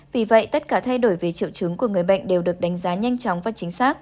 vì vậy tất cả thay đổi về triệu chứng của người bệnh đều được đánh giá nhanh chóng và chính xác